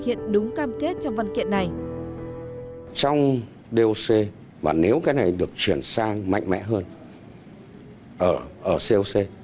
thực hiện đúng cam kết trong văn kiện này trong doc và nếu cái này được chuyển sang mạnh mẽ hơn ở coc